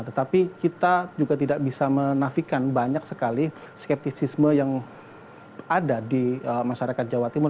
tetapi kita juga tidak bisa menafikan banyak sekali skeptisisme yang ada di masyarakat jawa timur